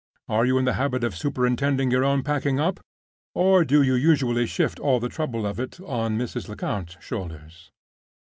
Are you in the habit of superintending your own packing up, or do you usually shift all the trouble of it on Mrs. Lecount's shoulders?"